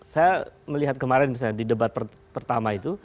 saya melihat kemarin misalnya di debat pertama itu